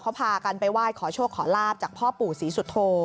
เขาพากันไปไหว้ขอโชคขอลาบจากพ่อปู่ศรีสุโธ